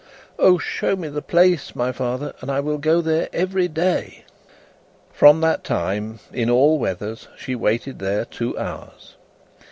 "O show me the place, my father, and I will go there every day." From that time, in all weathers, she waited there two hours.